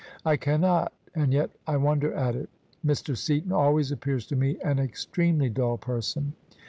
I cannot: and yet I wonder at it. ^Ir. Seatoo alwagrs appears to me an extremely dull persoo."